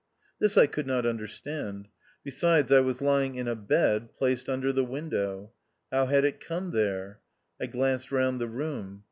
This I could not understand ; besides, I was lying in a bed placed under the window. How had it come there ? I glanced round the room.